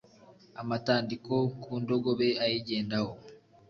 amatandiko ku ndogobe ayigendaho